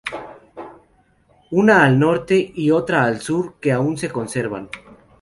Una al norte y otra al sur, que aún se conservan.